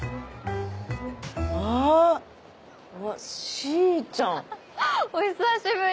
しーちゃん。お久しぶり！